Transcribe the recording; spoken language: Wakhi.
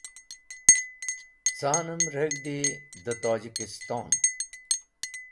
Ca’nem reg̃hdi dẽ tojikiston.